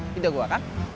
gede gua kan